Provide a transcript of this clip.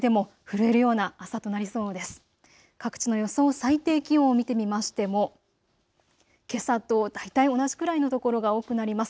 最低気温を見てみましてもけさと大体同じくらいの所が多くなります。